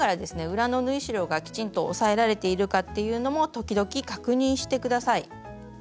裏の縫い代がきちんと押さえられているかっていうのも時々確認して下さい。